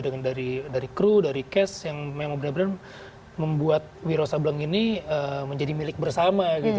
dari dari crew dari cast yang memang bener bener membuat wiro sableng ini menjadi milik bersama gitu